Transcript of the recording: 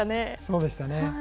そうでしたね。